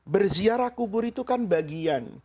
berziarah kubur itu kan bagian